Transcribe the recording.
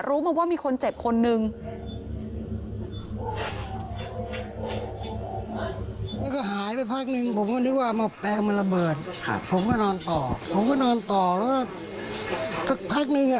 รู้มาว่ามีคนเจ็บคนนึง